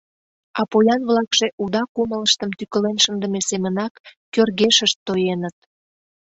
А поян-влакше уда кумылыштым тӱкылен шындыме семынак кӧргешышт тоеныт.